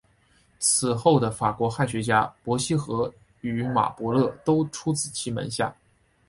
此后的法国汉学家伯希和与马伯乐都出自其门下。